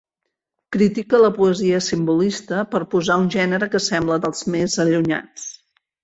Critique la poesia simbolista, per posar un gènere que sembla dels més allunyats.